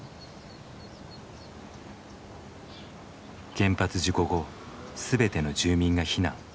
原発事故後全ての住民が避難。